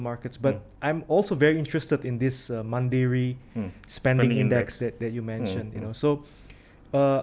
tapi saya juga sangat berminat dengan indeks penggunaan mandiri yang anda sebutkan